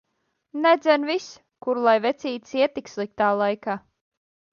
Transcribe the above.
Nedzen vis! Kur lai vecītis iet tik sliktā laika.